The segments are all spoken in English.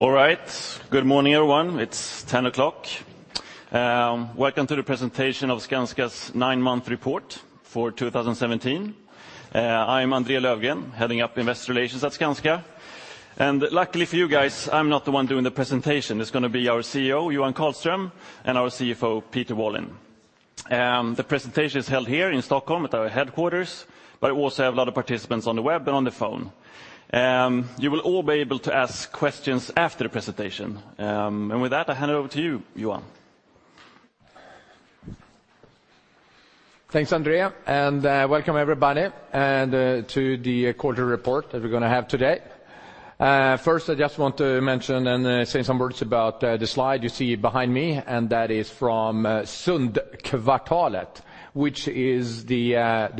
All right. Good morning, everyone. It's 10:00 A.M. Welcome to the presentation of Skanska's nine-month report for 2017. I'm André Löfgren, heading up Investor Relations at Skanska. And luckily for you guys, I'm not the one doing the presentation. It's gonna be our CEO, Johan Karlström, and our CFO, Peter Wallin. The presentation is held here in Stockholm at our headquarters, but we also have a lot of participants on the web and on the phone. You will all be able to ask questions after the presentation. And with that, I hand it over to you, Johan. Thanks, André, and welcome, everybody, and to the quarterly report that we're gonna have today. First, I just want to mention and say some words about the slide you see behind me, and that is from Sundtkvartalet, which is the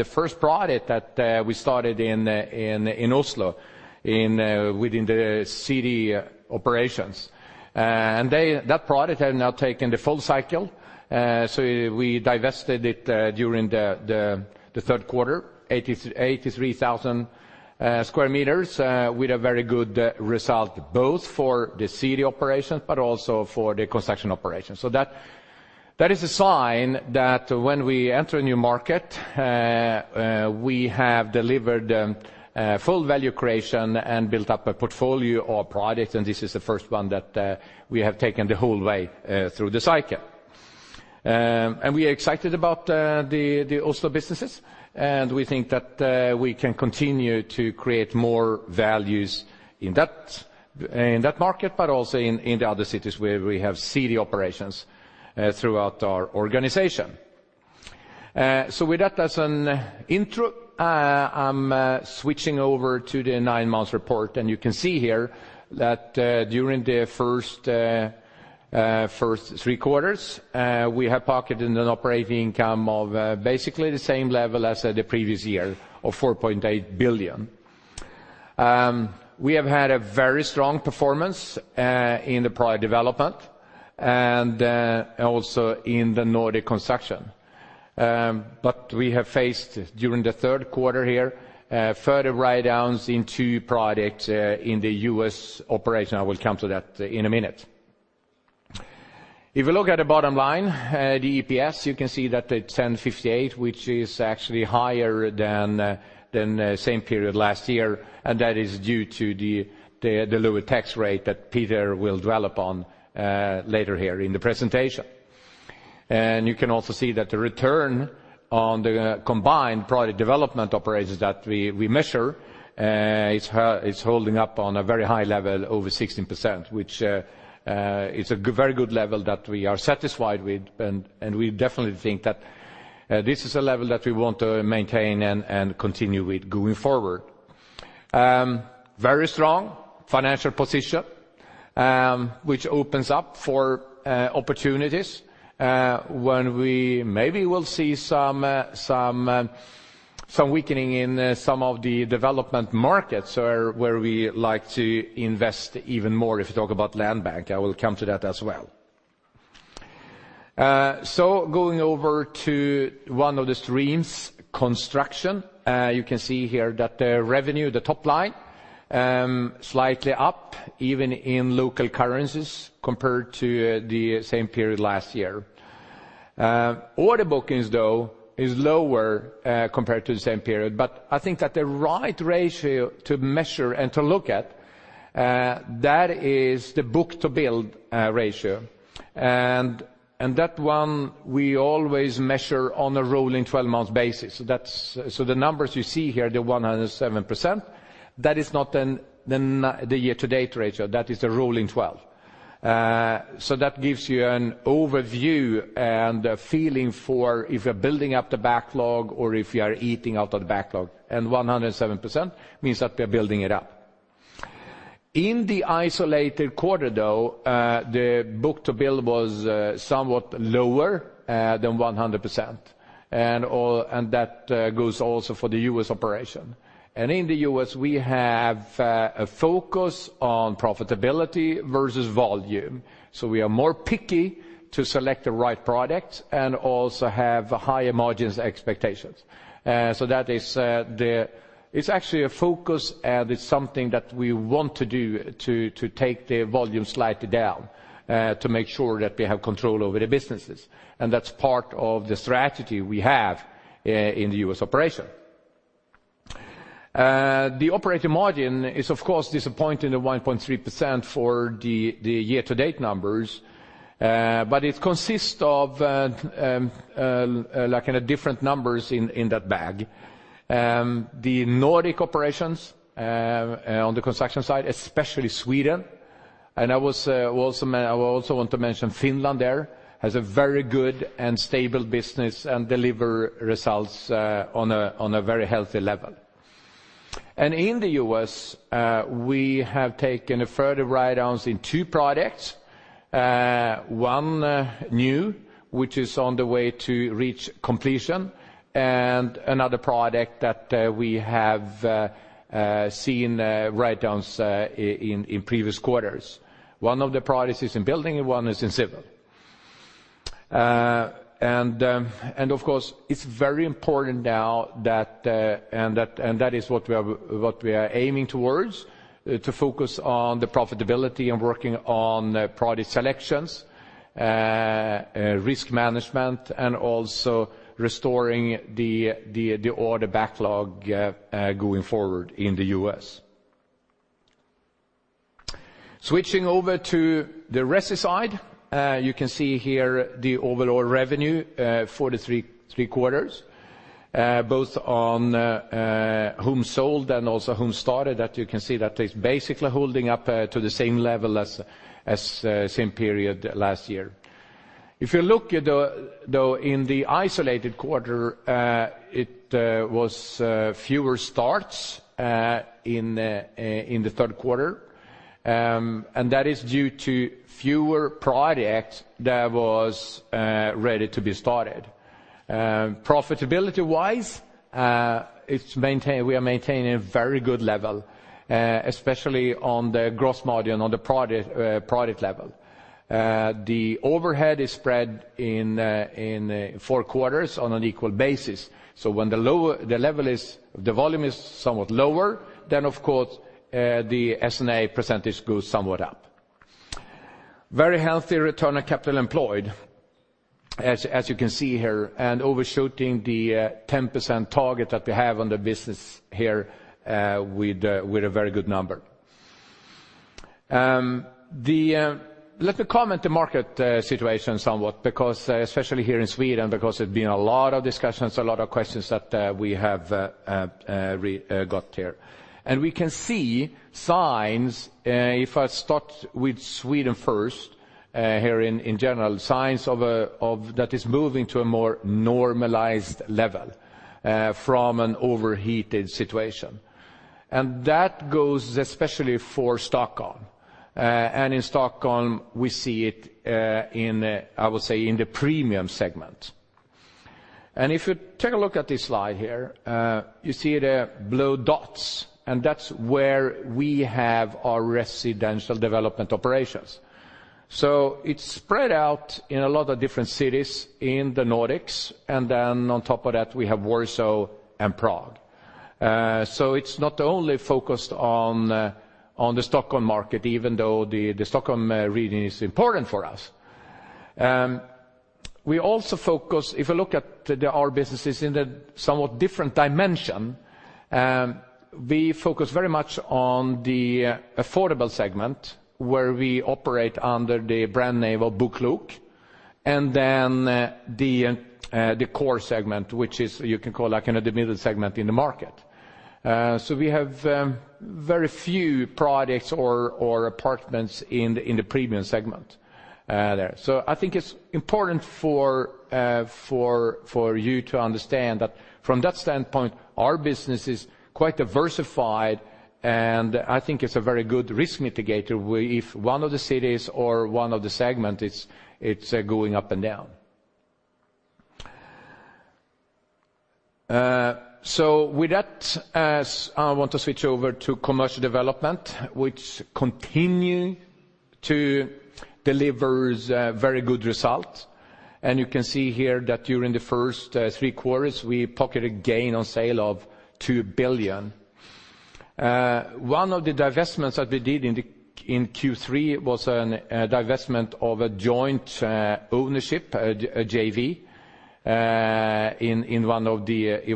first product that we started in Oslo, within the city operations. And that product have now taken the full cycle, so we divested it during the third quarter, 83,000 square meters, with a very good result, both for the city operations, but also for the construction operations. That is a sign that when we enter a new market, we have delivered full value creation and built up a portfolio or product, and this is the first one that we have taken the whole way through the cycle. We are excited about the Oslo businesses, and we think that we can continue to create more values in that market, but also in the other cities where we have city operations throughout our organization. With that as an intro, I'm switching over to the nine-month report, and you can see here that during the first three quarters, we have pocketed an operating income of basically the same level as the previous year, of 4.8 billion. We have had a very strong performance in the product development and also in the Nordic construction. But we have faced, during the third quarter here, further write-downs in two products in the U.S. operation. I will come to that in a minute. If you look at the bottom line, the EPS, you can see that it's 10.58, which is actually higher than the same period last year, and that is due to the lower tax rate that Peter will dwell upon later here in the presentation. And you can also see that the return on the combined product development operations that we measure is holding up on a very high level, over 16%, which is a very good level that we are satisfied with. We definitely think that this is a level that we want to maintain and continue with going forward. Very strong financial position, which opens up for opportunities when we maybe will see some weakening in some of the development markets where we like to invest even more, if you talk about land bank. I will come to that as well. So going over to one of the streams, construction, you can see here that the revenue, the top line, slightly up, even in local currencies, compared to the same period last year. Order bookings, though, is lower compared to the same period, but I think that the right ratio to measure and to look at that is the Book-to-build ratio. That one we always measure on a rolling 12-month basis. So that's, so the numbers you see here, the 107%, that is not the year-to-date ratio, that is the rolling 12. So that gives you an overview and a feeling for if we're building up the backlog or if we are eating out of the backlog, and 107% means that we're building it up. In the isolated quarter, though, the book-to-build was somewhat lower than 100%, and that goes also for the U.S. operation. And in the U.S., we have a focus on profitability versus volume, so we are more picky to select the right products and also have higher margins expectations. So that is the... It's actually a focus, and it's something that we want to do to take the volume slightly down, to make sure that we have control over the businesses, and that's part of the strategy we have in the U.S. operation. The operating margin is, of course, disappointing, at 1.3% for the year-to-date numbers, but it consists of like in a different numbers in that bag. The Nordic operations on the construction side, especially Sweden, and I also want to mention Finland there, has a very good and stable business and deliver results on a very healthy level. And in the U.S., we have taken further write-downs in two products. One new, which is on the way to reach completion, and another product that we have seen write-downs in previous quarters. One of the products is in building, and one is in civil. And of course, it's very important now that and that is what we are aiming towards to focus on the profitability and working on project selections, risk management, and also restoring the order backlog going forward in the U.S. Switching over to the resi side, you can see here the overall revenue for the three quarters both on homes sold and also homes started, that you can see that it's basically holding up to the same level as same period last year. If you look at the, though, in the isolated quarter, it was fewer starts in in the third quarter. And that is due to fewer projects that was ready to be started. Profitability-wise, we are maintaining a very good level, especially on the gross margin on the project, project level. The overhead is spread in in four quarters on an equal basis. So when the lower, the level is, the volume is somewhat lower, then, of course, the SG&A percentage goes somewhat up. Very healthy return on capital employed, as you can see here, and overshooting the 10% target that we have on the business here, with a very good number. The... Let me comment the market situation somewhat, because especially here in Sweden, because there's been a lot of discussions, a lot of questions that we have got here. And we can see signs, if I start with Sweden first, here in general, signs of that is moving to a more normalized level, from an overheated situation. And that goes especially for Stockholm. And in Stockholm, we see it in, I would say, in the premium segment. And if you take a look at this slide here, you see the blue dots, and that's where we have our Residential development operations. So it's spread out in a lot of different cities in the Nordics, and then on top of that, we have Warsaw and Prague. So it's not only focused on the Stockholm market, even though the Stockholm region is important for us. We also focus, if you look at our businesses in a somewhat different dimension, we focus very much on the affordable segment, where we operate under the brand name of BoKlok, and then the core segment, which is, you can call like in the middle segment in the market. So we have very few products or apartments in the premium segment there. So I think it's important for you to understand that from that standpoint, our business is quite diversified, and I think it's a very good risk mitigator, where if one of the cities or one of the segment is going up and down. So with that, as I want to switch over to Commercial Development, which continue to delivers a very good result. You can see here that during the first three quarters, we pocketed a gain on sale of 2 billion. One of the divestments that we did in Q3 was a divestment of a joint ownership, a JV, in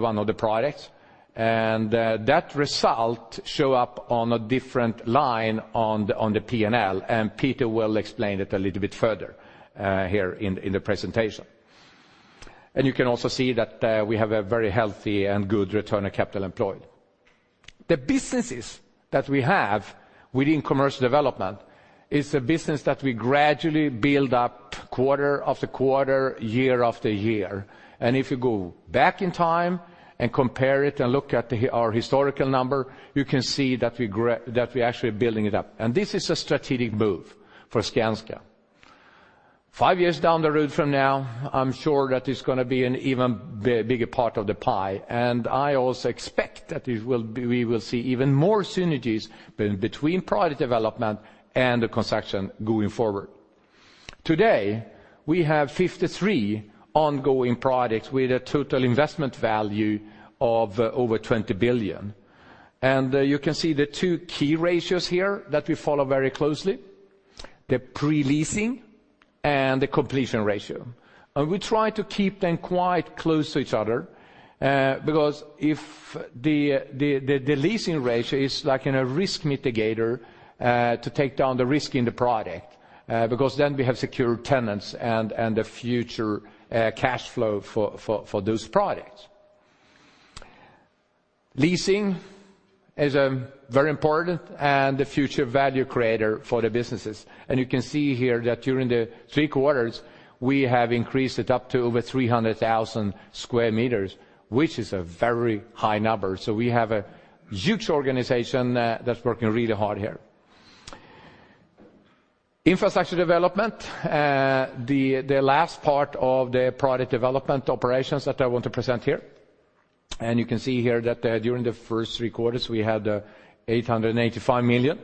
one of the products. And that result show up on a different line on the P&L, and Peter will explain it a little bit further here in the presentation. You can also see that we have a very healthy and good return on capital employed. The businesses that we have within Commercial Development is a business that we gradually build up quarter after quarter, year after year. If you go back in time and compare it and look at the, our historical number, you can see that we're actually building it up. This is a strategic move for Skanska. Five years down the road from now, I'm sure that it's going to be an even bigger part of the pie, and I also expect that we will be, we will see even more synergies between project development and the construction going forward. Today, we have 53 ongoing projects with a total investment value of over 20 billion. You can see the two key ratios here that we follow very closely, the pre-leasing and the completion ratio. We try to keep them quite close to each other, because if the leasing ratio is like in a risk mitigator, to take down the risk in the project, because then we have secure tenants and a future cash flow for those projects. Leasing is a very important and the future value creator for the businesses. You can see here that during the three quarters, we have increased it up to over 300,000 square meters, which is a very high number. We have a huge organization that's working really hard here. Infrastructure development, the last part of the product development operations that I want to present here. And you can see here that, during the first three quarters, we had 885 million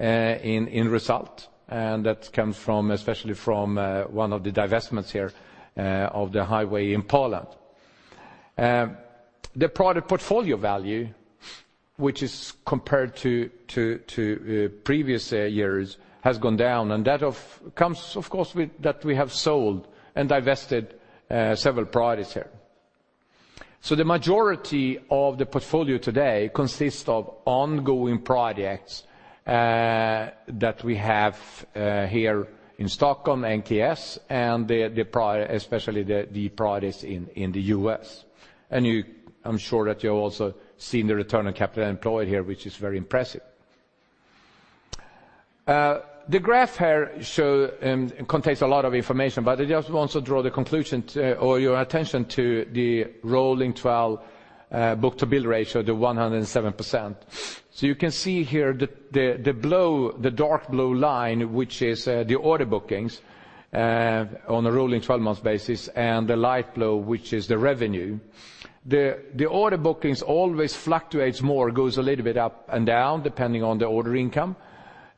in result, and that comes from, especially from, one of the divestments here, of the highway in Poland. The product portfolio value, which is compared to previous years, has gone down, and that of course comes with that we have sold and divested several products here. So the majority of the portfolio today consists of ongoing projects that we have here in Stockholm, NKS, and the especially the projects in the US. And I'm sure that you've also seen the return on capital employed here, which is very impressive. The graph here shows contains a lot of information, but I just want to draw the conclusion to or your attention to the rolling 12 book-to-bill ratio, the 107%. So you can see here, the dark blue line, which is the order bookings on a rolling 12-month basis, and the light blue, which is the revenue. The order bookings always fluctuates more, goes a little bit up and down, depending on the order income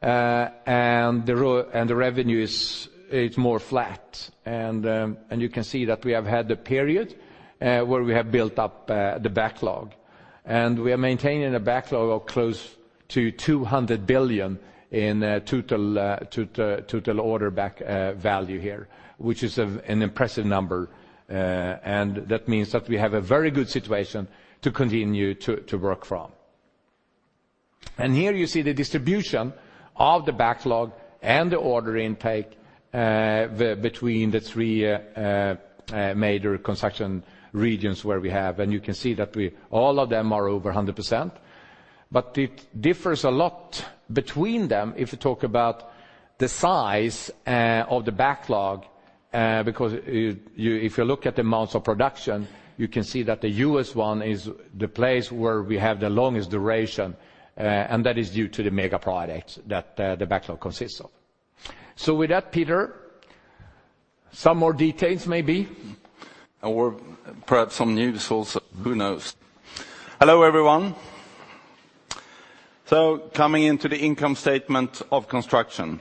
and the revenue is more flat. And you can see that we have had a period where we have built up the backlog. We are maintaining a backlog of close to 200 billion in total order backlog value here, which is an impressive number, and that means that we have a very good situation to continue to work from. Here you see the distribution of the backlog and the order intake between the three major construction regions where we have. You can see that we all of them are over 100%, but it differs a lot between them if you talk about the size of the backlog, because if you look at the amounts of production, you can see that the US one is the place where we have the longest duration, and that is due to the mega projects that the backlog consists of. With that, Peter, some more details maybe, or perhaps some news also, who knows? Hello, everyone. So coming into the income statement of construction.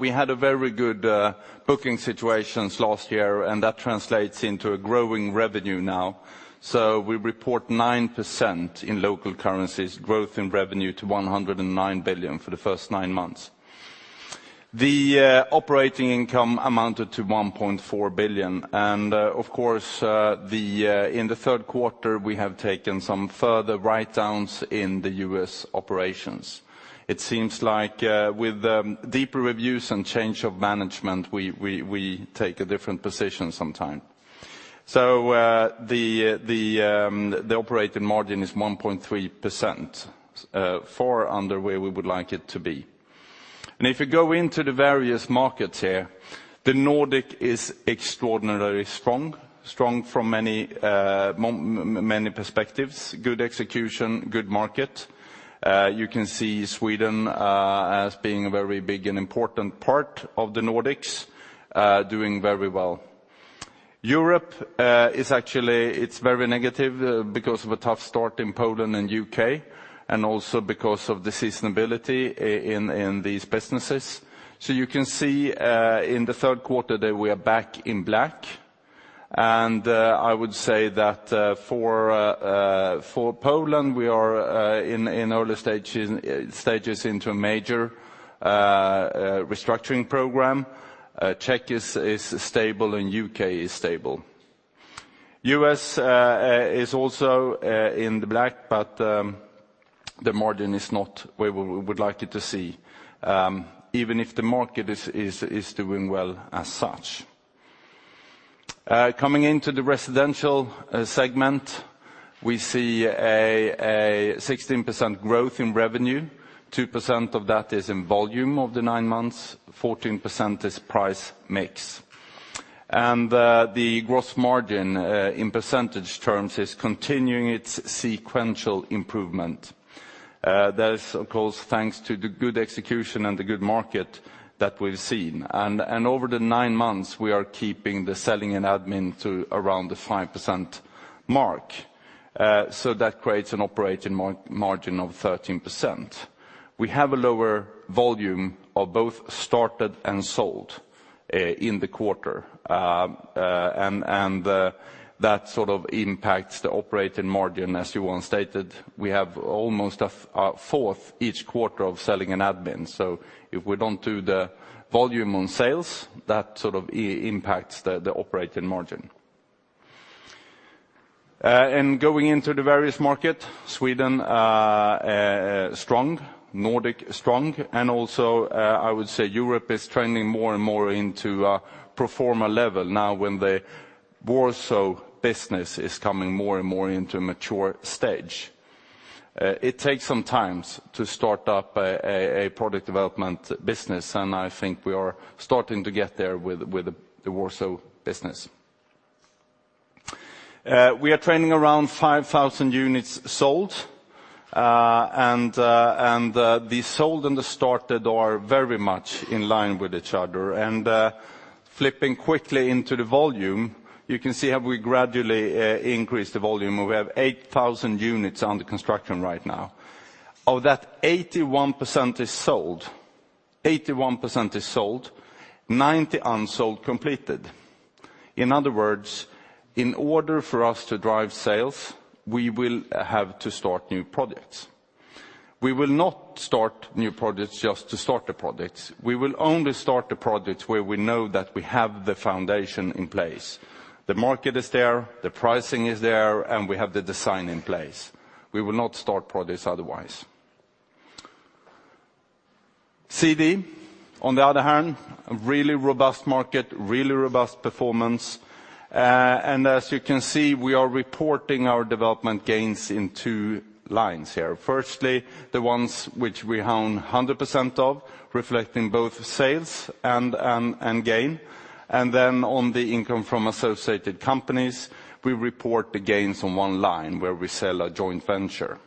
We had a very good booking situations last year, and that translates into a growing revenue now. So we report 9% in local currencies growth in revenue to 109 billion for the first nine months. The operating income amounted to 1.4 billion, and of course in the third quarter, we have taken some further write-downs in the U.S. operations. It seems like with deeper reviews and change of management, we take a different position sometime. So the operating margin is 1.3%, far under where we would like it to be. And if you go into the various markets here, the Nordic is extraordinarily strong, strong from many perspectives, good execution, good market. You can see Sweden as being a very big and important part of the Nordics, doing very well. Europe is actually, it's very negative, because of a tough start in Poland and U.K., and also because of the seasonality in these businesses. So you can see in the third quarter that we are back in the black, and I would say that for Poland, we are in early stages into a major restructuring program. Czech is stable, and U.K. is stable. U.S. is also in the black, but the margin is not where we would like it to see, even if the market is doing well as such. Coming into the residential segment, we see a 16% growth in revenue. 2% of that is in volume of the nine months, 14% is price mix. The gross margin, in percentage terms, is continuing its sequential improvement. That is, of course, thanks to the good execution and the good market that we've seen. Over the nine months, we are keeping the selling and admin to around the 5% mark, so that creates an operating margin of 13%. We have a lower volume of both started and sold in the quarter, and that sort of impacts the operating margin. As Johan stated, we have almost a fourth each quarter of selling and admin. So if we don't do the volume on sales, that sort of impacts the operating margin. And going into the various market, Sweden, strong, Nordic strong, and also, I would say Europe is trending more and more into a pro forma level now when the Warsaw business is coming more and more into a mature stage. It takes some time to start up a product development business, and I think we are starting to get there with the Warsaw business. We are trending around 5,000 units sold, and the sold and the started are very much in line with each other. And, flipping quickly into the volume, you can see how we gradually increase the volume, and we have 8,000 units under construction right now. Of that, 81% is sold. 81% is sold, 90 unsold completed. In other words, in order for us to drive sales, we will have to start new projects. We will not start new projects just to start the projects. We will only start the projects where we know that we have the foundation in place. The market is there, the pricing is there, and we have the design in place. We will not start projects otherwise. CD, on the other hand, a really robust market, really robust performance. And as you can see, we are reporting our development gains in two lines here. Firstly, the ones which we own 100% of, reflecting both sales and, and gain. And then on the income from associated companies, we report the gains on one line where we sell a joint venture.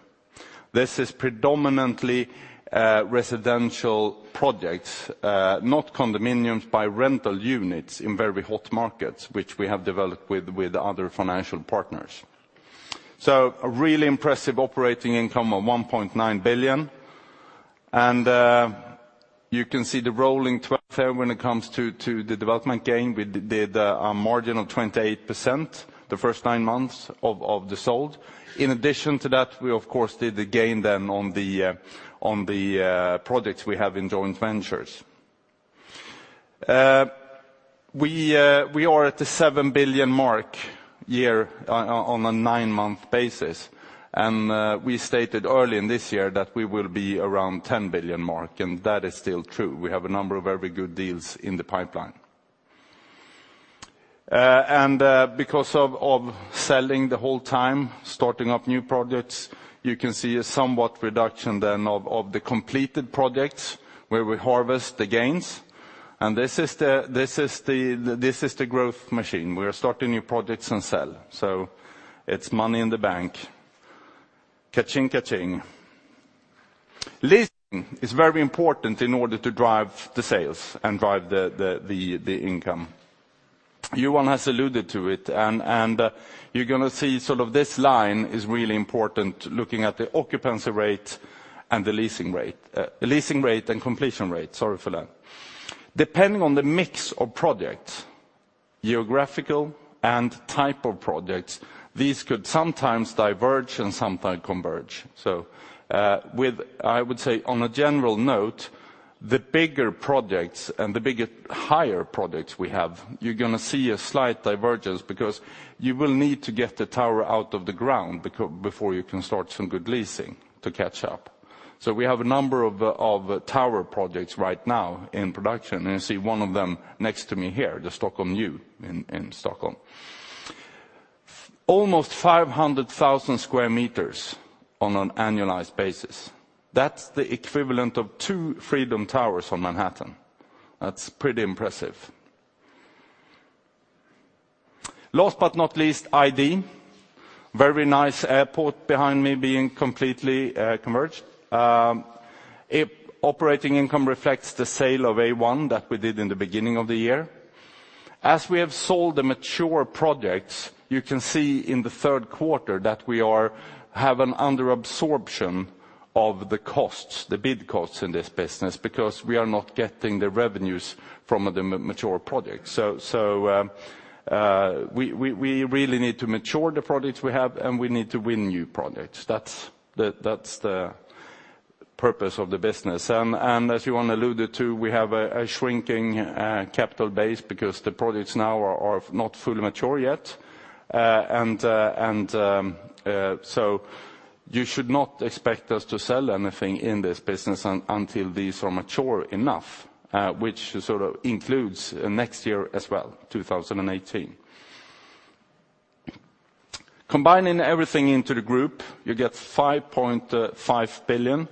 This is predominantly residential projects, not condominiums, but rental units in very hot markets, which we have developed with other financial partners. So a really impressive operating income of 1.9 billion. And you can see the rolling 12 there when it comes to the development gain, with a margin of 28%, the first nine months of the sold. In addition to that, we of course did the gain then on the projects we have in joint ventures. We are at the 7 billion mark year on a nine-month basis. And we stated early in this year that we will be around 10 billion mark, and that is still true. We have a number of very good deals in the pipeline. And because of selling the whole time, starting up new projects, you can see a somewhat reduction then of the completed projects, where we harvest the gains. And this is the growth machine. We are starting new projects and sell. So it's money in the bank. Ka-ching, ka-ching. Leasing is very important in order to drive the sales and drive the income. Johan has alluded to it, and you're going to see sort of this line is really important, looking at the occupancy rate and the leasing rate. The leasing rate and completion rate, sorry for that. Depending on the mix of projects, geographical and type of projects, these could sometimes diverge and sometimes converge. So, with... I would say on a general note, the bigger projects and the bigger, higher projects we have, you're going to see a slight divergence because you will need to get the tower out of the ground, before you can start some good leasing to catch up. So we have a number of, of tower projects right now in production, and you see one of them next to me here, the Stockholm New in, in Stockholm. Almost 500,000 square meters on an annualized basis. That's the equivalent of two Freedom Towers on Manhattan. That's pretty impressive. Last but not least, ID. Very nice airport behind me being completely, converged. Operating income reflects the sale of A1 that we did in the beginning of the year. As we have sold the mature projects, you can see in the third quarter that we have an under absorption of the costs, the bid costs in this business, because we are not getting the revenues from the mature projects. So we really need to mature the projects we have, and we need to win new projects. That's the purpose of the business. And as Johan alluded to, we have a shrinking capital base because the projects now are not fully mature yet. So you should not expect us to sell anything in this business until these are mature enough, which sort of includes next year as well, 2018. Combining everything into the group, you get 5.5 billion.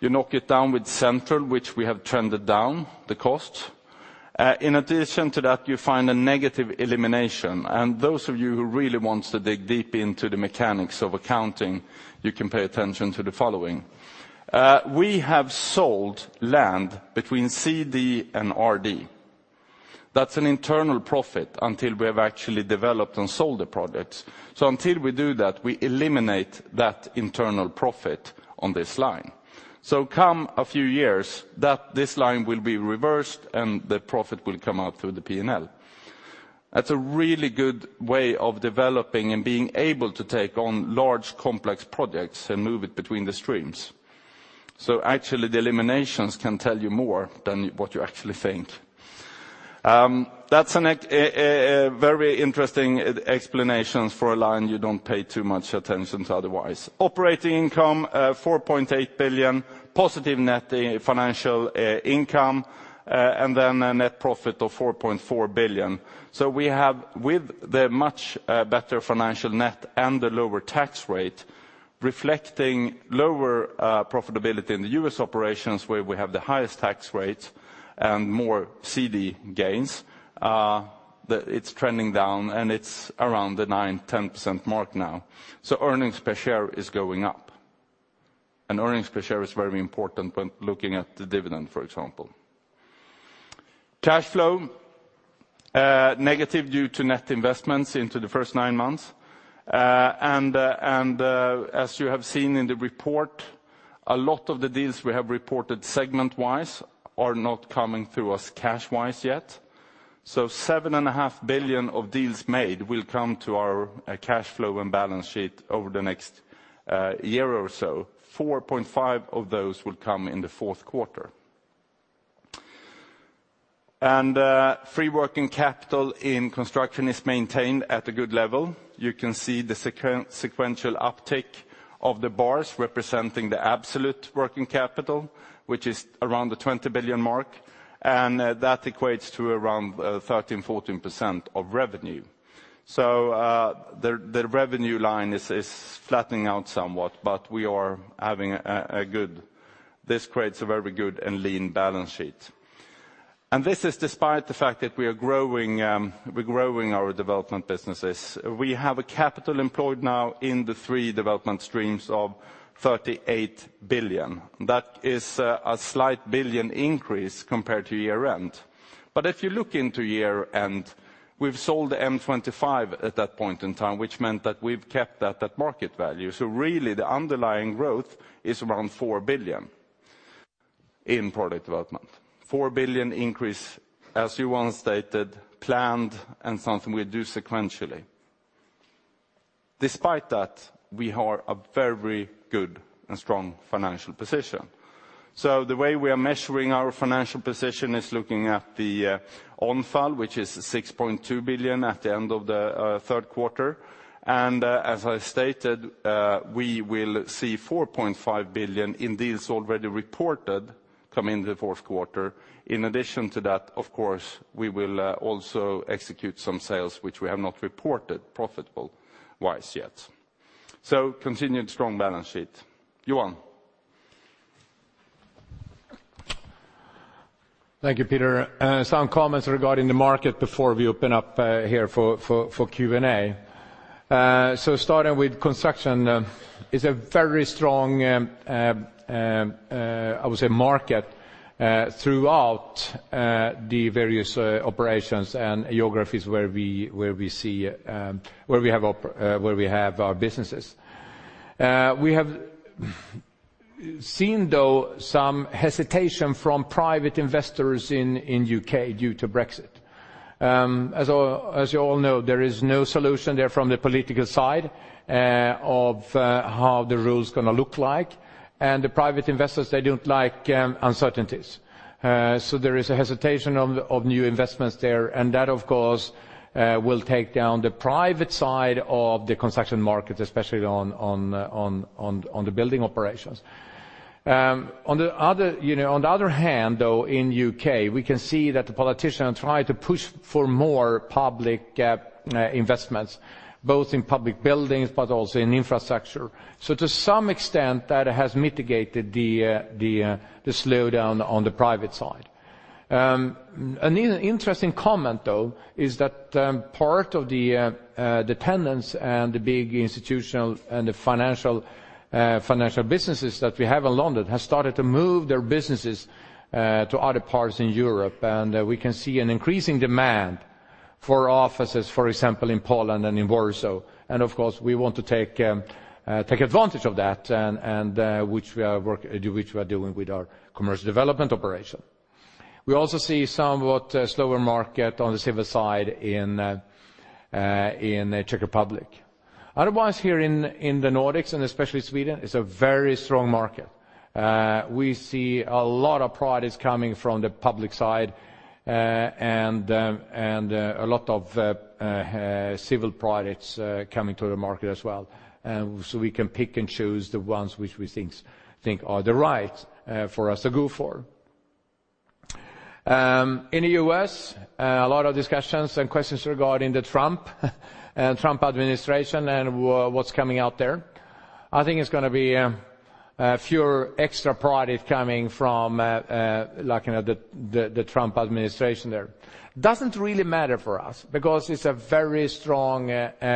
You knock it down with central, which we have trended down the cost. In addition to that, you find a negative elimination. And those of you who really wants to dig deep into the mechanics of accounting, you can pay attention to the following. We have sold land between CD and RD. That's an internal profit until we have actually developed and sold the products. So until we do that, we eliminate that internal profit on this line. So come a few years, that this line will be reversed and the profit will come out through the P&L. That's a really good way of developing and being able to take on large, complex projects and move it between the streams. So actually, the eliminations can tell you more than what you actually think. That's a very interesting explanation for a line you don't pay too much attention to otherwise. Operating income, 4.8 billion, positive net financial income, and then a net profit of 4.4 billion. So we have, with the much better financial net and the lower tax rate, reflecting lower profitability in the U.S. operations, where we have the highest tax rates and more CD gains, it's trending down, and it's around the 9%-10% mark now. So earnings per share is going up, and earnings per share is very important when looking at the dividend, for example. Cash flow, negative due to net investments into the first nine months. As you have seen in the report, a lot of the deals we have reported segment-wise are not coming through us cash-wise yet. So 7.5 billion of deals made will come to our cash flow and balance sheet over the next year or so. 4.5 billion of those will come in the fourth quarter. And free working capital in construction is maintained at a good level. You can see the sequential uptick of the bars representing the absolute working capital, which is around the 20 billion mark, and that equates to around 13%-14% of revenue. So the revenue line is flattening out somewhat, but this creates a very good and lean balance sheet. And this is despite the fact that we are growing, we're growing our development businesses. We have a capital employed now in the three development streams of 38 billion. That is, a slight billion increase compared to year-end. But if you look into year-end, we've sold M25 at that point in time, which meant that we've kept that at market value. So really, the underlying growth is around 4 billion in property development. 4 billion increase, as Johan stated, planned and something we do sequentially. Despite that, we are in a very good and strong financial position. So the way we are measuring our financial position is looking at the net debt, which is 6.2 billion at the end of the third quarter. And, as I stated, we will see 4.5 billion in deals already reported come in the fourth quarter. In addition to that, of course, we will also execute some sales which we have not reported profitable-wise yet. So continued strong balance sheet. Johan? Thank you, Peter. Some comments regarding the market before we open up here for Q&A. So starting with construction, it's a very strong, I would say, market throughout the various operations and geographies where we have our businesses. We have seen, though, some hesitation from private investors in U.K. due to Brexit. As you all know, there is no solution there from the political side of how the rules gonna look like. And the private investors, they don't like uncertainties. So there is a hesitation of new investments there, and that, of course, will take down the private side of the construction market, especially on the building operations. On the other, you know, on the other hand, though, in UK, we can see that the politicians try to push for more public investments, both in public buildings, but also in infrastructure. So to some extent, that has mitigated the slowdown on the private side. An interesting comment, though, is that part of the tenants and the big institutional and the financial businesses that we have in London have started to move their businesses to other parts in Europe. And we can see an increasing demand for offices, for example, in Poland and in Warsaw. And of course, we want to take advantage of that and which we are doing with our commercial development operation. We also see somewhat a slower market on the civil side in the Czech Republic. Otherwise, here in the Nordics, and especially Sweden, it's a very strong market. We see a lot of products coming from the public side, and a lot of civil products coming to the market as well. So we can pick and choose the ones which we think are the right for us to go for. In the U.S., a lot of discussions and questions regarding the Trump administration and what's coming out there. I think it's gonna be a fewer extra product coming from, like, you know, the Trump administration there. Doesn't really matter for us, because it's a very strong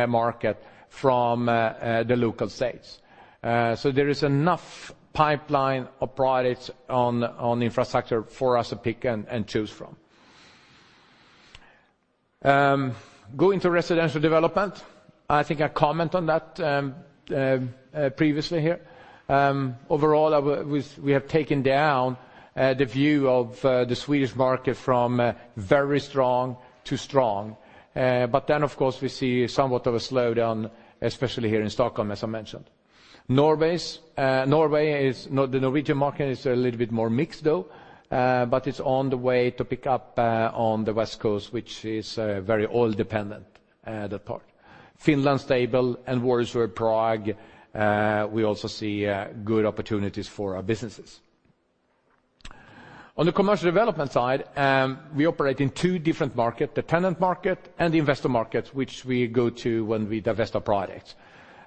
market from the local states. So there is enough pipeline of products on infrastructure for us to pick and choose from. Going to residential development, I think I comment on that previously here. Overall, we have taken down the view of the Swedish market from very strong to strong. But then, of course, we see somewhat of a slowdown, especially here in Stockholm, as I mentioned. The Norwegian market is a little bit more mixed, though, but it's on the way to pick up on the west coast, which is very oil dependent, that part. Finland, stable, and Warsaw, Prague, we also see good opportunities for our businesses. On the commercial development side, we operate in two different market, the tenant market and the investor market, which we go to when we divest our products.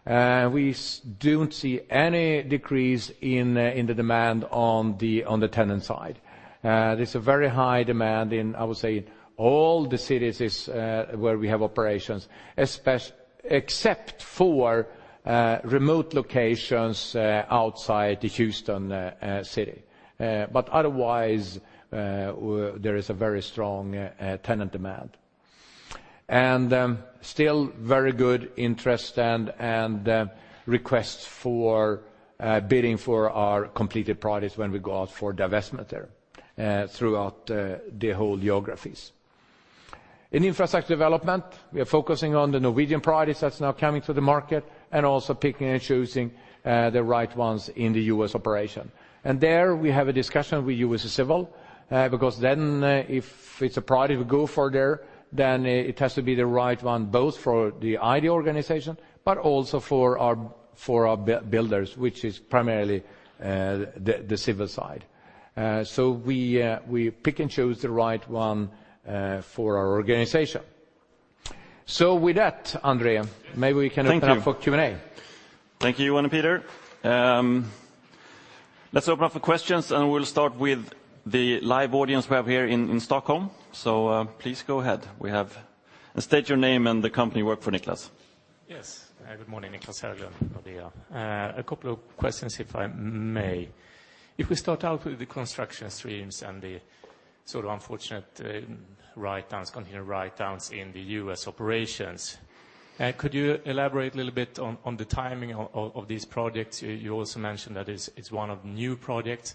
We don't see any decrease in the demand on the tenant side... there's a very high demand in, I would say, in all the cities is where we have operations, except for remote locations outside the Houston city. But otherwise, there is a very strong tenant demand. And still very good interest and requests for bidding for our completed projects when we go out for divestment there throughout the whole geographies. In infrastructure development, we are focusing on the Norwegian projects that's now coming to the market, and also picking and choosing the right ones in the U.S. operation. There, we have a discussion with US Civil, because then, if it's a project we go further, then it has to be the right one, both for the ID organization, but also for our builders, which is primarily the civil side. So we pick and choose the right one, for our organization. So with that, André, maybe we can open up for Q&A. Thank you. Thank you, Johan and Peter. Let's open up for questions, and we'll start with the live audience we have here in Stockholm. So, please go ahead. We have... And state your name and the company you work for, Niclas. Yes. Good morning, Niclas Höglund from DNB. A couple of questions, if I may. If we start out with the construction streams and the sort of unfortunate write-downs, continued write-downs in the U.S. operations, could you elaborate a little bit on the timing of these projects? You also mentioned that it's one of new projects.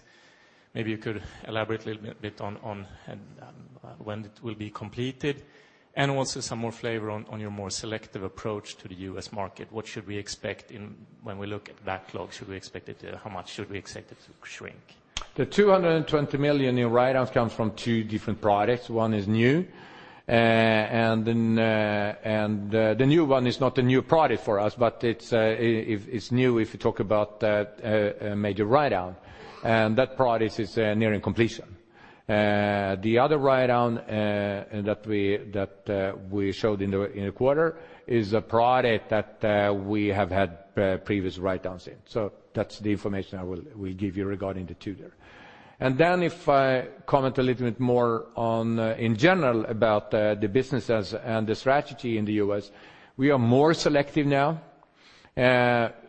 Maybe you could elaborate a little bit on when it will be completed, and also some more flavor on your more selective approach to the U.S. market. What should we expect in—when we look at backlog, should we expect it to... How much should we expect it to shrink? The 220 million in write-downs comes from two different projects. One is new, and then the new one is not a new project for us, but it's new if you talk about a major write-down, and that project is nearing completion. The other write-down that we showed in the quarter is a project that we have had previous write-downs in. So that's the information I will give you regarding the two there. And then if I comment a little bit more on, in general, about the businesses and the strategy in the U.S., we are more selective now.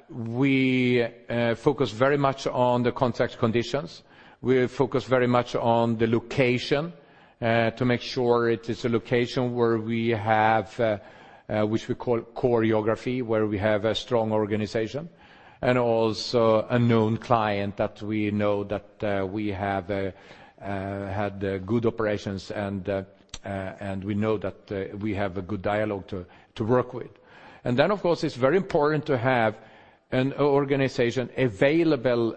We focus very much on the contract conditions. We focus very much on the location, to make sure it is a location where we have, which we call choreography, where we have a strong organization, and also a known client that we know that we have had good operations, and we know that we have a good dialogue to work with. And then, of course, it's very important to have an organization available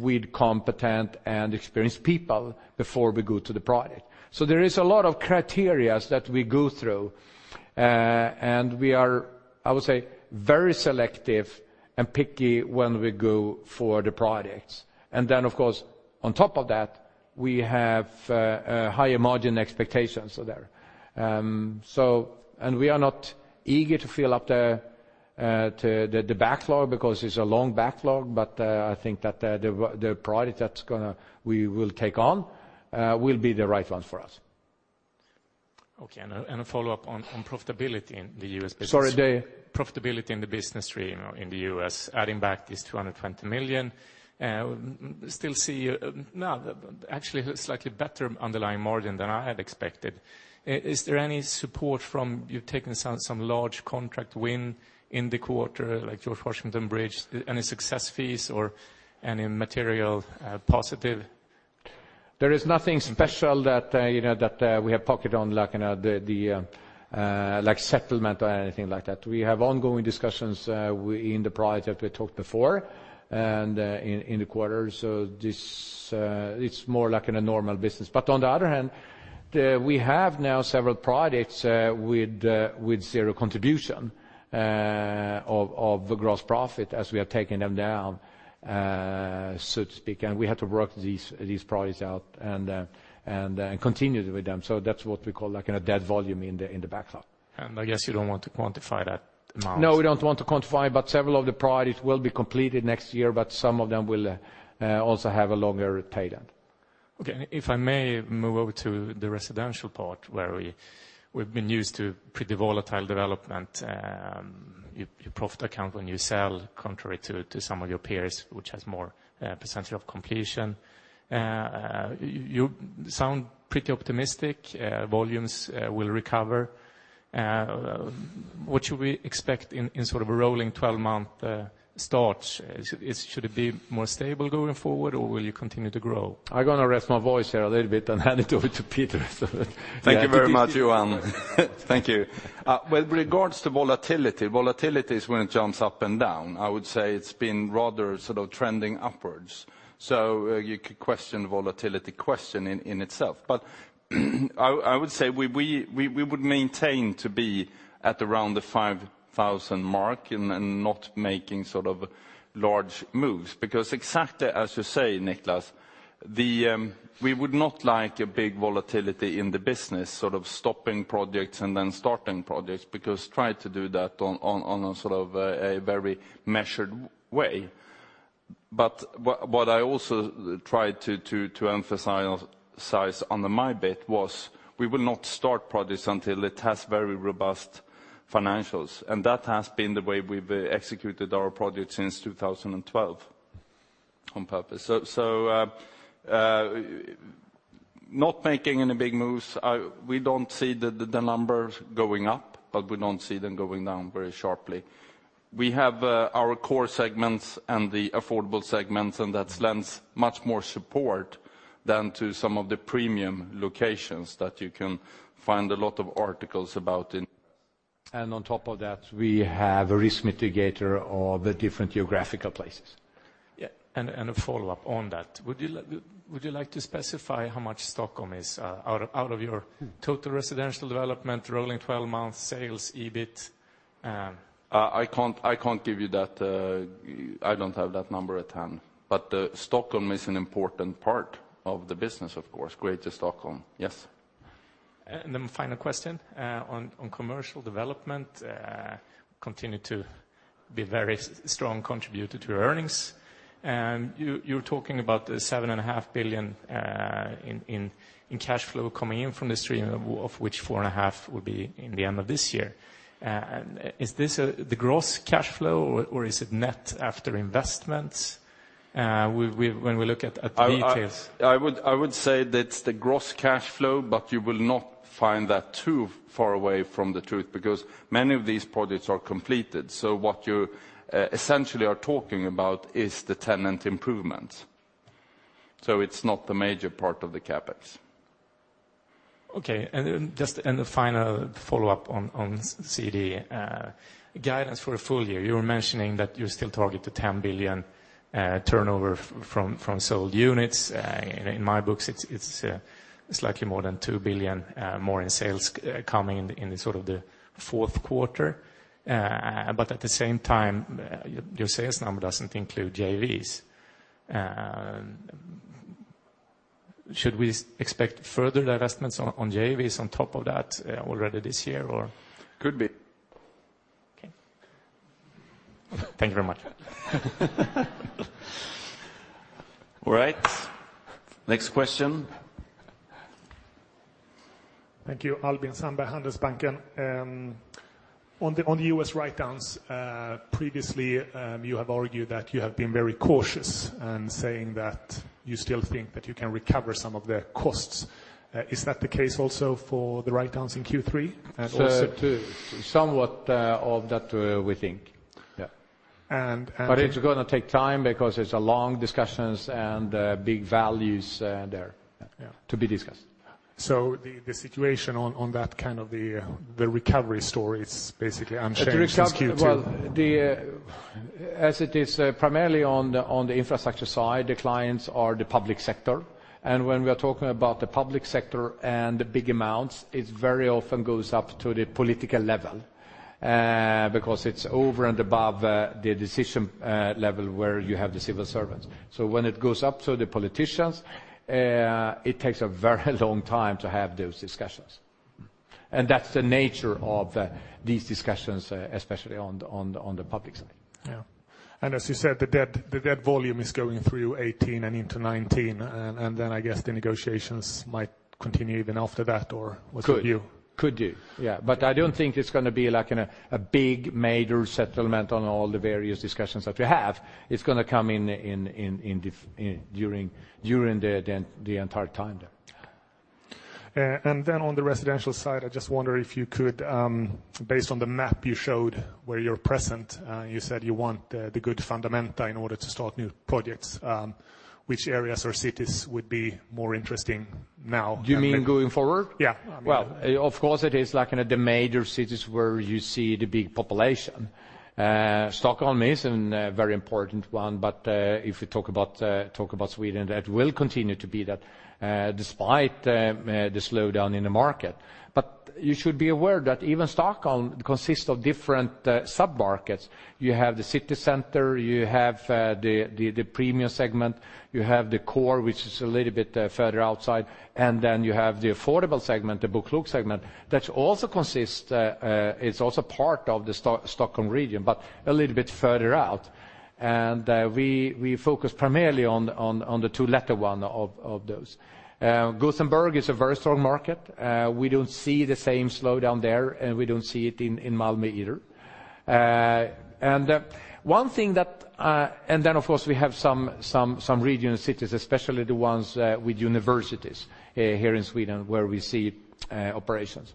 with competent and experienced people before we go to the project. So there is a lot of criteria that we go through, and we are, I would say, very selective and picky when we go for the projects. And then, of course, on top of that, we have a higher margin expectations there. We are not eager to fill up the backlog, because it's a long backlog, but I think that the project that's gonna we will take on will be the right ones for us. Okay, and a follow-up on profitability in the U.S. business. Sorry, the? Profitability in the business stream in the US, adding back this $200 million, still see now actually slightly better underlying margin than I had expected. Is there any support from, you've taken some large contract win in the quarter, like George Washington Bridge, any success fees or any material positive? There is nothing special that, you know, that, we have pocket on, like, you know, the, the, like settlement or anything like that. We have ongoing discussions, in the project that we talked before, and, in, in the quarter, so this, it's more like in a normal business. But on the other hand, we have now several projects, with, with zero contribution, of, of the gross profit as we are taking them down, so to speak, and we have to work these, these projects out and, and, continue with them. So that's what we call like in a dead volume in the, in the backlog. I guess you don't want to quantify that amount? No, we don't want to quantify, but several of the projects will be completed next year, but some of them will, also have a longer paydown. Okay, if I may move over to the residential part, where we've been used to pretty volatile development. Your profit accounting when you sell, contrary to some of your peers, which has more percentage of completion. You sound pretty optimistic. Volumes will recover. What should we expect in sort of a rolling 12 month start? Should it be more stable going forward, or will you continue to grow? I'm gonna rest my voice here a little bit and hand it over to Peter. Thank you very much, Johan. Thank you. With regards to volatility, volatility is when it jumps up and down. I would say it's been rather sort of trending upwards. So, you could question the volatility question in itself. But, I would say we would maintain to be at around the 5,000 mark and not making sort of large moves, because exactly as you say, Niclas, the... We would not like a big volatility in the business, sort of stopping projects and then starting projects, because try to do that on a sort of a very measured way.... but what I also tried to emphasize on my bit was we will not start projects until it has very robust financials, and that has been the way we've executed our projects since 2012 on purpose. So, not making any big moves. We don't see the numbers going up, but we don't see them going down very sharply. We have our core segments and the affordable segments, and that lends much more support than to some of the premium locations that you can find a lot of articles about in. And on top of that, we have a risk mitigator of the different geographical places. Yeah, and a follow-up on that. Would you like to specify how much Stockholm is out of your total residential development, rolling 12-month sales, EBIT, and- I can't, I can't give you that. I don't have that number at hand. But, Stockholm is an important part of the business, of course. Greater Stockholm. Yes. Then final question on commercial development continue to be very strong contributor to earnings. And you, you're talking about the 7.5 billion in cash flow coming in from the stream, of which 4.5 billion will be in the end of this year. Is this the gross cash flow, or is it net after investments? When we look at the details. I would say that's the gross cash flow, but you will not find that too far away from the truth, because many of these projects are completed. So what you essentially are talking about is the tenant improvements. So it's not the major part of the CapEx. Okay, and then just in the final follow-up on CD, guidance for a full year. You were mentioning that you still target 10 billion turnover from sold units. In my books, it's slightly more than 2 billion more in sales coming in the sort of the fourth quarter. But at the same time, your sales number doesn't include JVs. Should we expect further divestments on JVs on top of that already this year, or? Could be. Okay. Thank you very much. All right. Next question. Thank you. Albin Sandberg, Kepler. On the, on the U.S. write-downs, previously, you have argued that you have been very cautious in saying that you still think that you can recover some of the costs. Is that the case also for the write-downs in Q3? And also- So somewhat of that, we think. Yeah. And, and- But it's gonna take time because it's a long discussions and big values there- Yeah... to be discussed. So the situation on that kind of recovery story is basically unchanged since Q2? The recovery, well, as it is primarily on the infrastructure side, the clients are the public sector. And when we are talking about the public sector and the big amounts, it very often goes up to the political level, because it's over and above the decision level where you have the civil servants. So when it goes up to the politicians, it takes a very long time to have those discussions. And that's the nature of these discussions, especially on the public side. Yeah. And as you said, the debt, the debt volume is going through 2018 and into 2019, and, and then I guess the negotiations might continue even after that, or what's your view? Could do, yeah. But I don't think it's gonna be like in a big major settlement on all the various discussions that we have. It's gonna come in during the entire time there. On the residential side, I just wonder if you could, based on the map you showed where you're present, you said you want the, the good fundamentals in order to start new projects. Which areas or cities would be more interesting now? Do you mean going forward? Yeah. Well, of course, it is like in the major cities where you see the big population. Stockholm is a very important one, but if you talk about Sweden, that will continue to be that, despite the slowdown in the market. But you should be aware that even Stockholm consists of different submarkets. You have the city center, you have the premium segment, you have the core, which is a little bit further outside, and then you have the affordable segment, the BoKlok segment, that also consists, it's also part of the Stockholm region, but a little bit further out. And we focus primarily on the two latter ones of those. Gothenburg is a very strong market. We don't see the same slowdown there, and we don't see it in Malmö either. And one thing that... And then, of course, we have some regional cities, especially the ones with universities here in Sweden, where we see good operations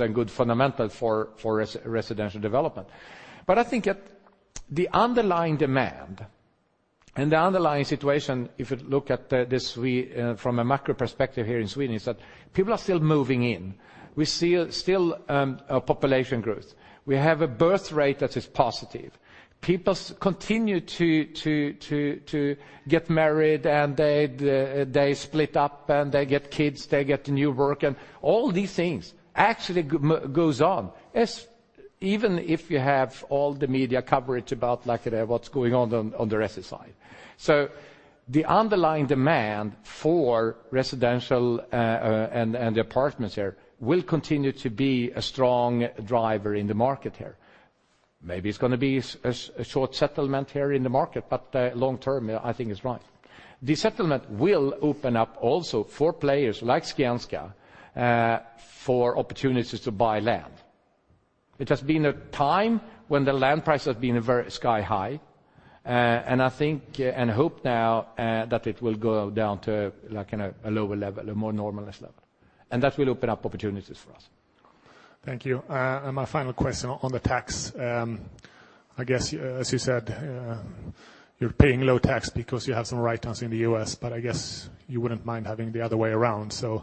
and good fundamental for residential development. But I think that the underlying demand and the underlying situation, if you look at the Swedish from a macro perspective here in Sweden, is that people are still moving in. We see still a population growth. We have a birth rate that is positive. People continue to get married, and they split up, and they get kids, they get new work, and all these things actually goes on, as even if you have all the media coverage about like, what's going on, on the rest's side.... So the underlying demand for residential and apartments there will continue to be a strong driver in the market here. Maybe it's going to be a short settlement here in the market, but long term, I think it's right. The settlement will open up also for players like Skanska for opportunities to buy land. It has been a time when the land price has been very sky high, and I think and hope now that it will go down to, like, in a lower level, a more normalized level, and that will open up opportunities for us. Thank you. My final question on the tax. I guess, as you said, you're paying low tax because you have some write-downs in the U.S., but I guess you wouldn't mind having the other way around. So,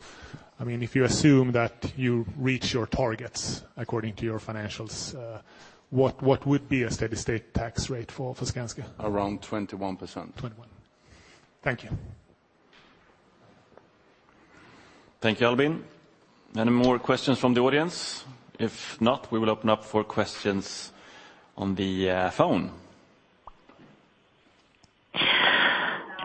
I mean, if you assume that you reach your targets according to your financials, what would be a steady state tax rate for Skanska? Around 21%. 21. Thank you. Thank you, Albin. Any more questions from the audience? If not, we will open up for questions on the phone.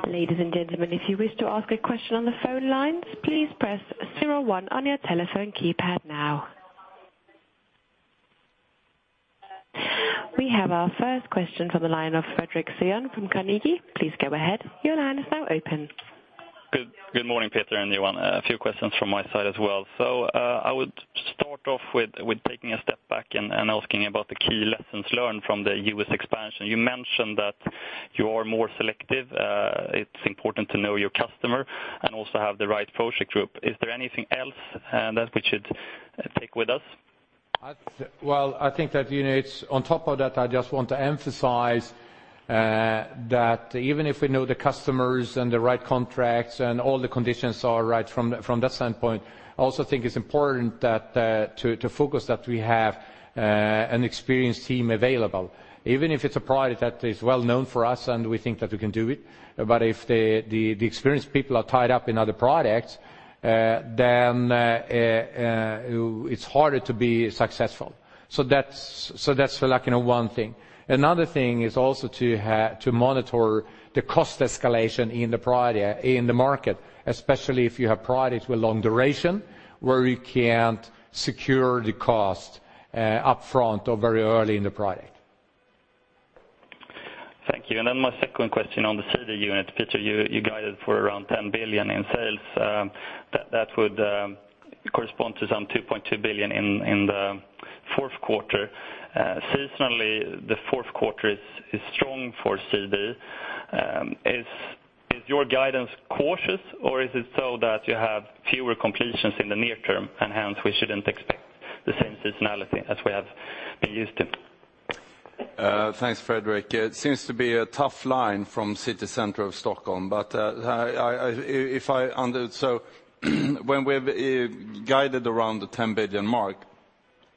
Ladies and gentlemen, if you wish to ask a question on the phone lines, please press zero one on your telephone keypad now. We have our first question from the line of Fredric Cyon from Carnegie. Please go ahead. Your line is now open. Good morning, Peter, and Johan. A few questions from my side as well. So, I would start off with taking a step back and asking about the key lessons learned from the U.S. expansion. You mentioned that you are more selective, it's important to know your customer, and also have the right project group. Is there anything else that we should take with us? Well, I think that, you know, it's on top of that. I just want to emphasize that even if we know the customers and the right contracts and all the conditions are right from that standpoint, I also think it's important that to focus that we have an experienced team available. Even if it's a product that is well known for us, and we think that we can do it, but if the experienced people are tied up in other products, then it's harder to be successful. So that's like, you know, one thing. Another thing is also to monitor the cost escalation in the product, in the market, especially if you have products with long duration, where you can't secure the cost up front or very early in the product. Thank you. And then my second question on the CD unit. Peter, you guided for around 10 billion in sales. That would correspond to some 2.2 billion in the fourth quarter. Seasonally, the fourth quarter is strong for CDE. Is your guidance cautious, or is it so that you have fewer completions in the near term, and hence, we shouldn't expect the same seasonality as we have been used to? Thanks, Fredrik. It seems to be a tough line from city center of Stockholm, but. So when we've guided around the 10 billion mark,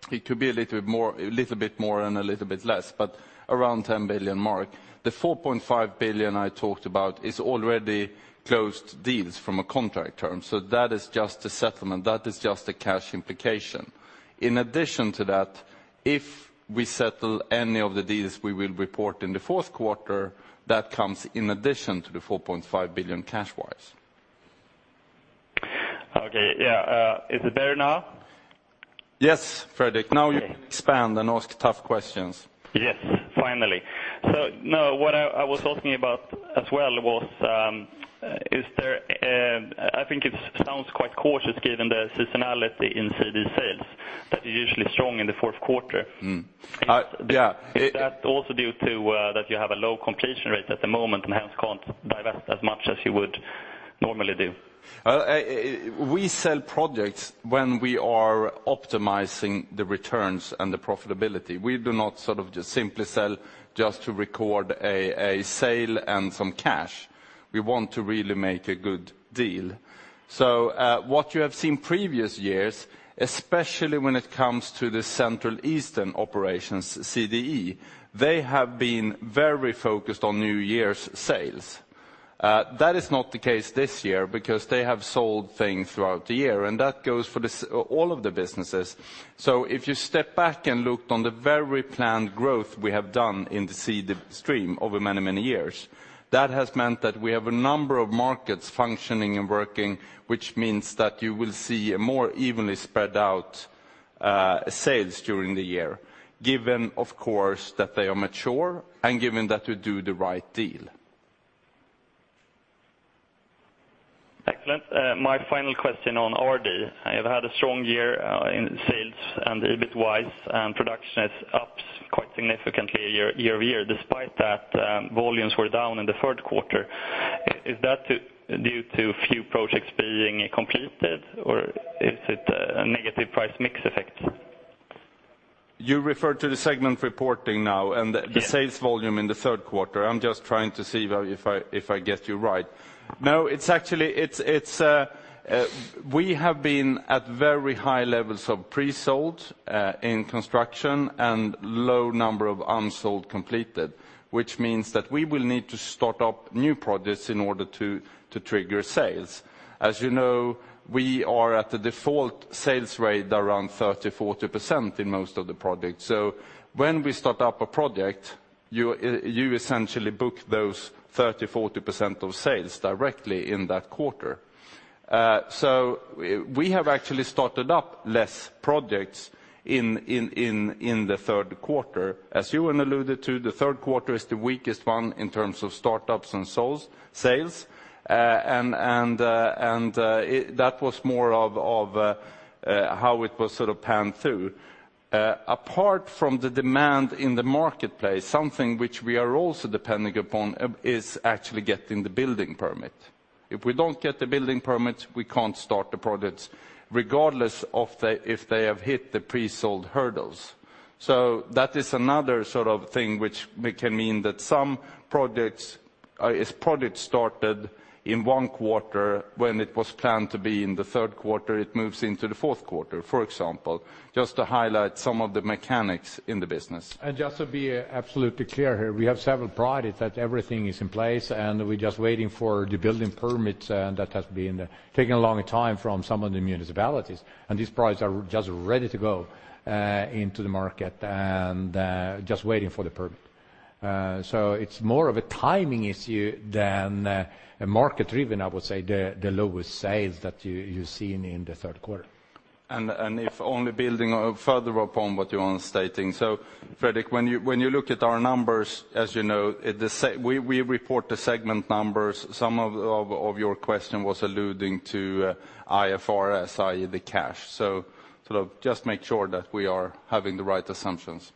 it could be a little bit more, a little bit more and a little bit less, but around 10 billion mark. The 4.5 billion I talked about is already closed deals from a contract term, so that is just a settlement, that is just a cash implication. In addition to that, if we settle any of the deals we will report in the fourth quarter, that comes in addition to the 4.5 billion cash wise. Okay. Yeah, is it better now? Yes, Fredric, now you can expand and ask tough questions. Yes, finally. So no, what I was asking about as well was, is there, I think it sounds quite cautious given the seasonality in CD sales, that you're usually strong in the fourth quarter. Mm. Yeah. Is that also due to, that you have a low completion rate at the moment and hence can't divest as much as you would normally do? We sell projects when we are optimizing the returns and the profitability. We do not sort of just simply sell just to record a sale and some cash. We want to really make a good deal. So, what you have seen previous years, especially when it comes to the Central and Eastern operations, CEE, they have been very focused on year-end sales. That is not the case this year, because they have sold things throughout the year, and that goes for all of the businesses. So if you step back and looked on the very planned growth we have done in the CD stream over many, many years, that has meant that we have a number of markets functioning and working, which means that you will see a more evenly spread out sales during the year, given, of course, that they are mature and given that you do the right deal. Excellent. My final question on RD. I have had a strong year in sales and EBIT wise, and production is up quite significantly year-over-year, despite that, volumes were down in the third quarter. Is that due to few projects being completed, or is it a negative price mix effect? You refer to the segment reporting now- Yes ...and the sales volume in the third quarter. I'm just trying to see if I get you right. No, it's actually, we have been at very high levels of pre-sold in construction and low number of unsold completed, which means that we will need to start up new projects in order to trigger sales. As you know, we are at the default sales rate around 30%-40% in most of the products. So when we start up a project, you essentially book those 30%-40% of sales directly in that quarter. So we have actually started up less projects in the third quarter. As Johan alluded to, the third quarter is the weakest one in terms of startups and sales. And that was more of how it was sort of panned through. Apart from the demand in the marketplace, something which we are also depending upon, is actually getting the building permit. If we don't get the building permits, we can't start the projects, regardless of if they have hit the pre-sold hurdles. So that is another sort of thing which we can mean that some projects, is project started in one quarter when it was planned to be in the third quarter, it moves into the fourth quarter, for example, just to highlight some of the mechanics in the business. Just to be absolutely clear here, we have several projects that everything is in place, and we're just waiting for the building permits, and that has been taking a long time from some of the municipalities. These projects are just ready to go into the market and just waiting for the permit. So it's more of a timing issue than a market-driven, I would say, the lowest sales that you're seeing in the third quarter. And if only building on further upon what you are stating. So Fredric, when you look at our numbers, as you know, at the segment, we report the segment numbers. Some of your question was alluding to IFRS, i.e., the cash. So sort of just make sure that we are having the right assumptions.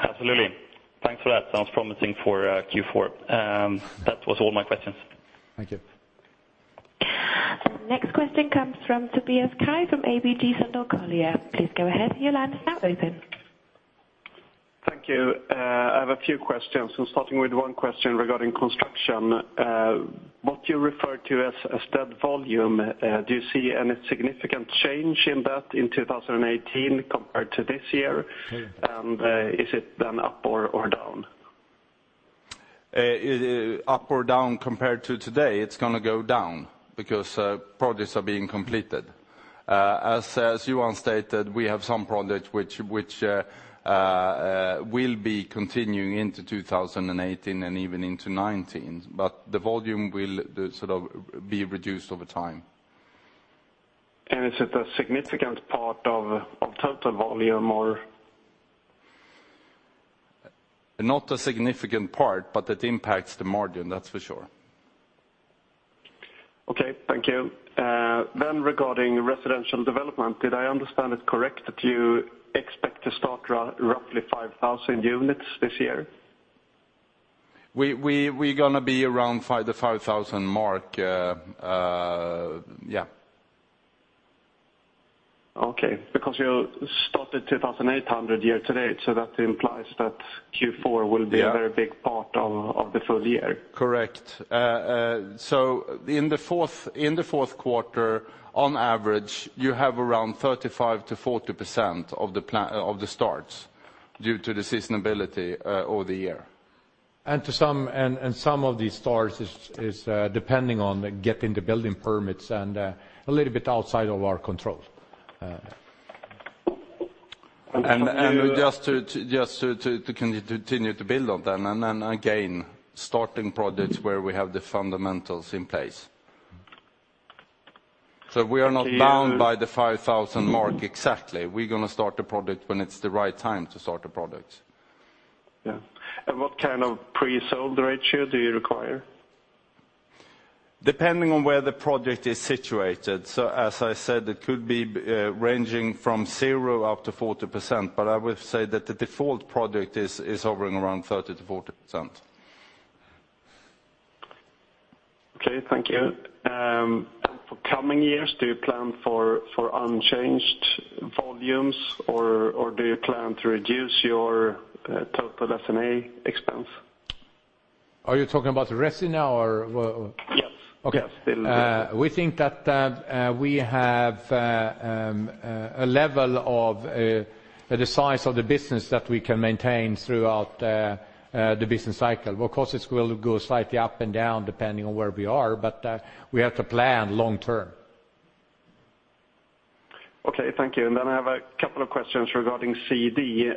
Absolutely. Thanks for that. Sounds promising for Q4. That was all my questions. Thank you. The next question comes from Tobias Kaj from ABG Sundal Collier. Please go ahead, your line is now open. Thank you. I have a few questions. Starting with one question regarding construction. What you refer to as, as that volume, do you see any significant change in that in 2018 compared to this year? Yeah. Is it then up or down? Up or down compared to today, it's gonna go down because projects are being completed. As Johan stated, we have some projects which will be continuing into 2018 and even into 2019, but the volume will sort of be reduced over time. Is it a significant part of total volume, or? Not a significant part, but it impacts the margin, that's for sure. Okay, thank you. Then regarding residential development, did I understand it correct that you expect to start roughly 5,000 units this year? We're gonna be around 5 to 5,000 mark, yeah. Okay, because you started 2,800 year to date, so that implies that Q4- Yeah will be a very big part of the full year. Correct. So in the fourth, in the fourth quarter, on average, you have around 35%-40% of the plan of the starts due to the seasonality over the year. And some of these starts is depending on getting the building permits and a little bit outside of our control. And just to continue to build on them, and then again, starting projects where we have the fundamentals in place. So we are not bound by the 5,000 mark exactly. We're going to start the project when it's the right time to start the project. Yeah. And what kind of pre-sold ratio do you require? Depending on where the project is situated. So as I said, it could be ranging from 0%-40%, but I would say that the default project is hovering around 30%-40%. Okay, thank you. For coming years, do you plan for unchanged volumes, or do you plan to reduce your total SG&A expense? Are you talking about Resi now or what? Yes. Okay. Yes. We think that we have a level of the size of the business that we can maintain throughout the business cycle. Of course, it will go slightly up and down, depending on where we are, but we have to plan long term. Okay, thank you. And then I have a couple of questions regarding CD.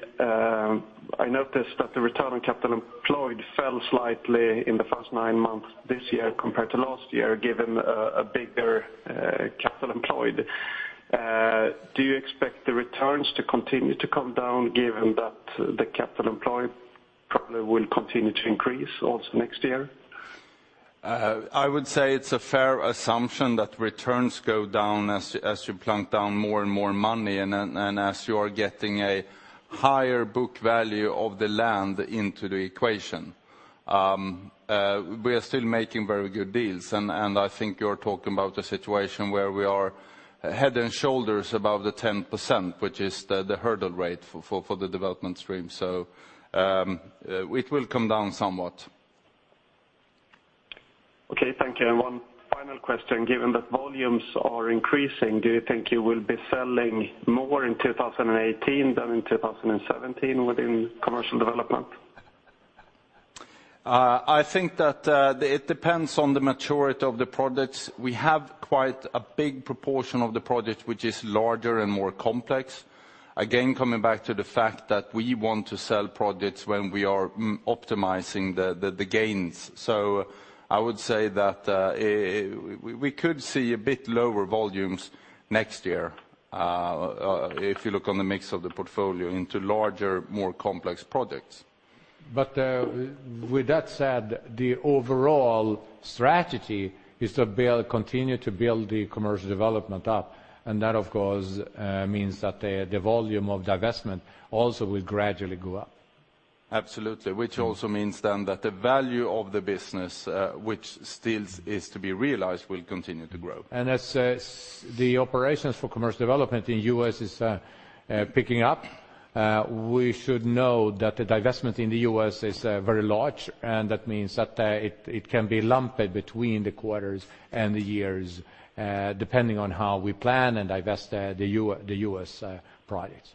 I noticed that the return on capital employed fell slightly in the first nine months this year compared to last year, given a bigger capital employed. Do you expect the returns to continue to come down, given that the capital employed probably will continue to increase also next year? I would say it's a fair assumption that returns go down as you plunk down more and more money, and then, and as you are getting a higher book value of the land into the equation. We are still making very good deals, and, and I think you're talking about a situation where we are head and shoulders above the 10%, which is the hurdle rate for the development stream. So, it will come down somewhat. Okay, thank you. One final question, given that volumes are increasing, do you think you will be selling more in 2018 than in 2017 within commercial development? I think that it depends on the maturity of the products. We have quite a big proportion of the product, which is larger and more complex. Again, coming back to the fact that we want to sell products when we are optimizing the gains. So I would say that we could see a bit lower volumes next year, if you look on the mix of the portfolio into larger, more complex products. ...But, with that said, the overall strategy is to build, continue to build the commercial development up, and that, of course, means that the volume of divestment also will gradually go up. Absolutely. Which also means then that the value of the business, which still is to be realized, will continue to grow. As the operations for Commercial Development in the U.S. is picking up, we should know that the divestment in the U.S. is very large, and that means that it can be lumpy between the quarters and the years, depending on how we plan and divest the U.S. projects.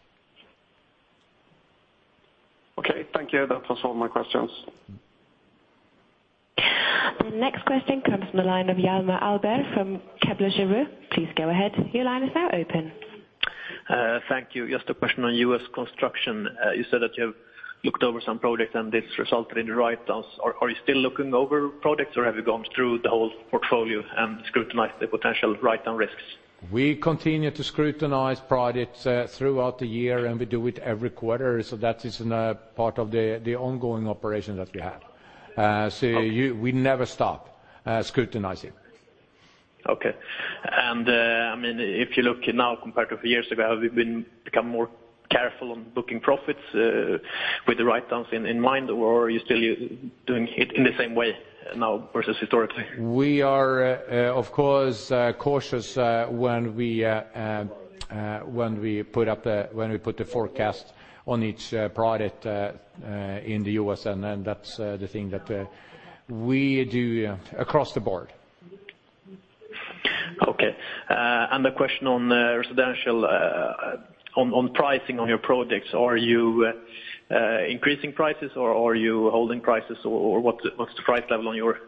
Okay, thank you. That was all my questions. The next question comes from the line of Hjalmar Ahlberg from Kepler Cheuvreux. Please go ahead. Your line is now open. Thank you. Just a question on U.S. construction. You said that you have looked over some projects, and this resulted in the write-downs. Are you still looking over projects, or have you gone through the whole portfolio and scrutinized the potential write-down risks? We continue to scrutinize projects throughout the year, and we do it every quarter, so that is part of the ongoing operation that we have. So we never stop scrutinizing. Okay. I mean, if you look now compared to a few years ago, have you become more careful on booking profits, with the write-downs in mind, or are you still doing it in the same way now versus historically? We are, of course, cautious when we put the forecast on each project in the U.S., and that's the thing that we do across the board. Okay. And a question on residential, on pricing on your projects. Are you increasing prices, or are you holding prices, or what's the price level on your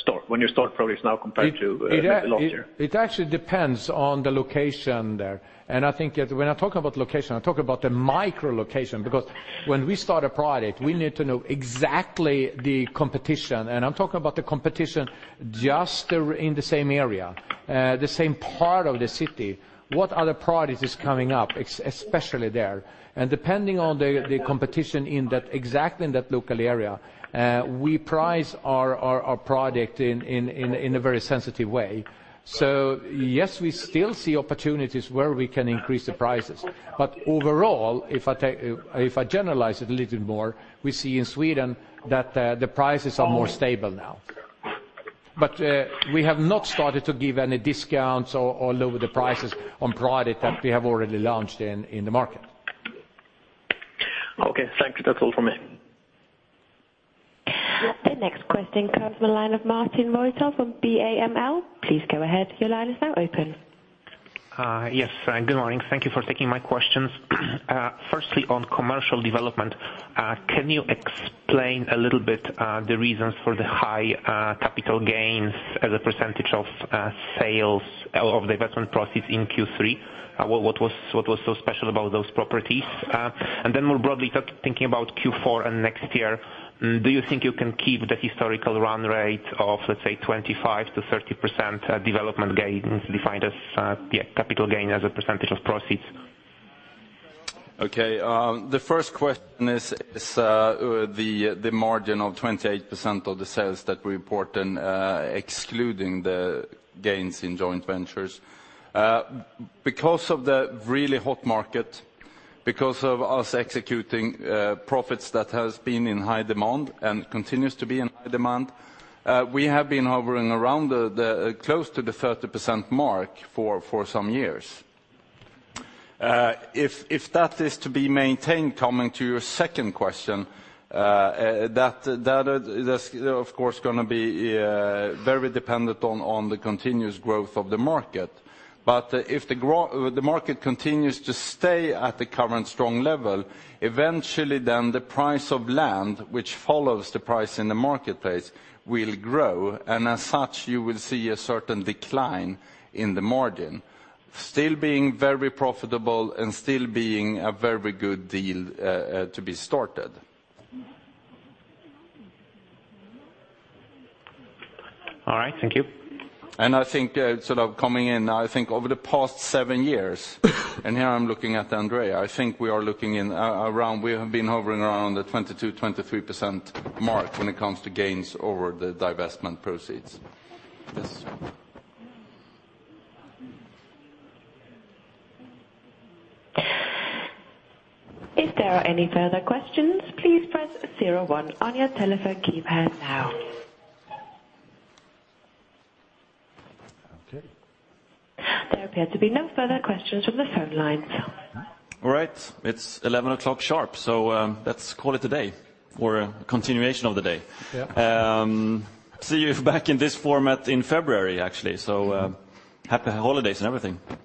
store, when you start projects now compared to last year? It actually depends on the location there. I think that when I talk about location, I talk about the micro location, because when we start a project, we need to know exactly the competition, and I'm talking about the competition just in the same area, the same part of the city. What other projects is coming up, especially there? Depending on the competition in that exactly in that local area, we price our product in a very sensitive way. So yes, we still see opportunities where we can increase the prices. But overall, if I generalize it a little more, we see in Sweden that the prices are more stable now. But, we have not started to give any discounts or lower the prices on product that we have already launched in the market. Okay, thank you. That's all for me. The next question comes from the line of Marcin Wojtal from BAML. Please go ahead. Your line is now open. Yes. Good morning. Thank you for taking my questions. Firstly, on commercial development, can you explain a little bit the reasons for the high capital gains as a percentage of sales, of the investment proceeds in Q3? What was so special about those properties? And then more broadly, thinking about Q4 and next year, do you think you can keep the historical run rate of, let's say, 25%-30% development gains, defined as, yeah, capital gain as a percentage of proceeds? Okay, the first question is the margin of 28% of the sales that we report in excluding the gains in joint ventures. Because of the really hot market, because of us executing profits that has been in high demand and continues to be in high demand, we have been hovering around close to the 30% mark for some years. If that is to be maintained, coming to your second question, that is, of course, gonna be very dependent on the continuous growth of the market. If the market continues to stay at the current strong level, eventually, then the price of land, which follows the price in the marketplace, will grow, and as such, you will see a certain decline in the margin, still being very profitable and still being a very good deal, to be started. All right. Thank you. I think, sort of coming in, I think over the past seven years, and here I'm looking at André, I think we are looking around. We have been hovering around the 22%-23% mark when it comes to gains over the divestment proceeds. Yes. If there are any further questions, please press zero one on your telephone keypad now. Okay. There appear to be no further questions from the phone lines. All right. It's 11:00 A.M. sharp, so, let's call it a day, or a continuation of the day. Yeah. See you back in this format in February, actually, so, happy holidays and everything.